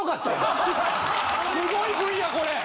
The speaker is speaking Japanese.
すごいＶやこれ！